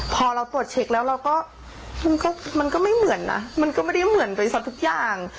พอเราตรวจเช็คแล้วเราก็มันก็ไม่เหมือนนะมันก็ไม่ได้เหมือนบริษัททุกอย่าง